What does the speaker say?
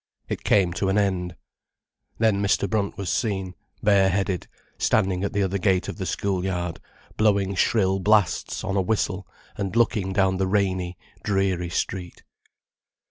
It came to an end. Then Mr. Brunt was seen, bare headed, standing at the other gate of the school yard, blowing shrill blasts on a whistle and looking down the rainy, dreary street.